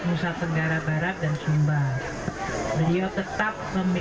musa tenggara barat dan jumba